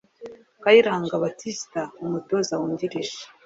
Kayiranga Baptiste (umutoza wungirije)